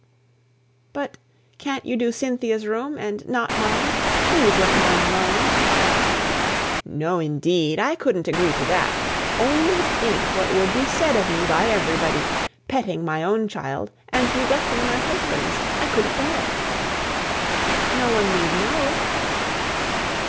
"But can't you do Cynthia's room, and not mine? Please let mine alone." "No, indeed! I couldn't agree to that. Only think what would be said of me by everybody; petting my own child and neglecting my husband's! I couldn't bear it." "No one need know."